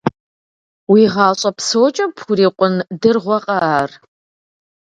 Уи гъащӀэ псокӀэ пхурикъун дыргъуэкъэ ар?!